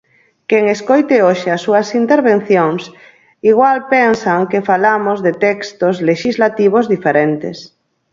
Quen escoite hoxe as súas intervencións, igual pensan que falamos de textos lexislativos diferentes.